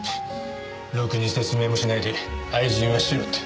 ろくに説明もしないで愛人はシロって。